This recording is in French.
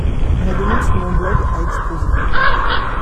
La demande sur mon blog a explosé.